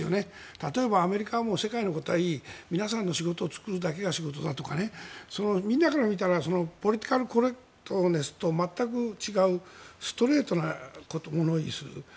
例えばアメリカは世界のことはいい皆さんの仕事を作るだけだとみんなから見たらポリティカル・コレクトネスと全く違うストレートな物言いをする。